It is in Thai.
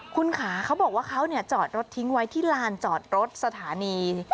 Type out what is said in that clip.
คุณขาเขาบอกว่าเขาจอดรถทิ้งไว้ที่ลานจอดรถสถานี